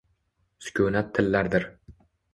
Sukunat tillardir.